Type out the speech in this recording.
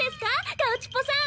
カウチポさん。